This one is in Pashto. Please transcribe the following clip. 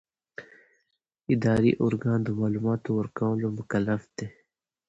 اداري ارګان د معلوماتو ورکولو مکلف دی.